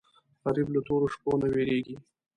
غریب له تورو شپو نه وېرېږي